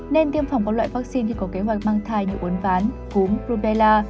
nên tiêm phòng các loại vaccine khi có kế hoạch mang thai như uốn ván cúm rubella